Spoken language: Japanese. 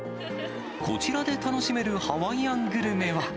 こちらで楽しめるハワイアングルメは。